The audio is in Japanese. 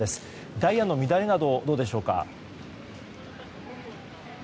ダイヤの乱れなどはどうでしょうか。